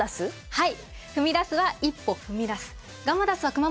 はい。